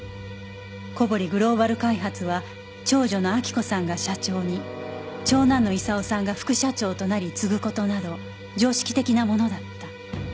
小堀グローバル開発は長女の明子さんが社長に長男の功さんが副社長となり継ぐ事など常識的なものだった